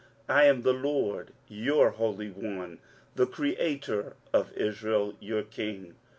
23:043:015 I am the LORD, your Holy One, the creator of Israel, your King.